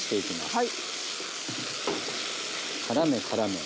はい。